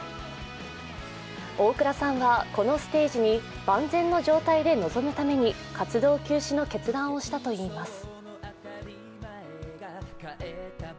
大倉さんはこのステージに万全の状態で臨むために活動休止の決断をしたといいます。